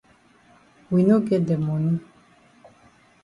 We no get de moni.